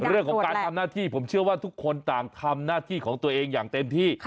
เรื่องของการทำหน้าที่ผมเชื่อว่าทุกคนต่างทำหน้าที่ของตัวเองอย่างเต็มที่